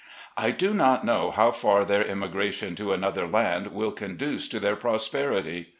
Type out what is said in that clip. . I do not know how far their emigration to another land will conduce to their prosperity.